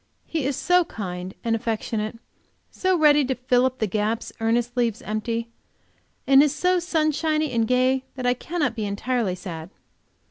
He is so kind and affectionate, so ready to fill up the gaps Ernest leaves empty, and is so sunshiny and gay that I cannot be entirely sad.